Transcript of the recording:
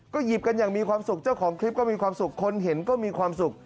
หยิบกันอย่างมีความสุขเจ้าของคลิปก็มีความสุขคนเห็นก็มีความสุข